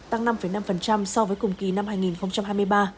tăng năm năm so với cùng kỳ năm hai nghìn hai mươi ba